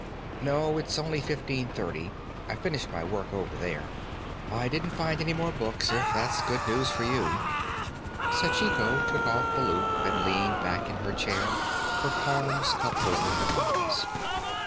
"No, it's only fifteen thirty. I finished my work, over there. I didn't find any more books, if that's good news for you." Sachiko took off the loup and leaned back in her chair, her palms cupped over her eyes.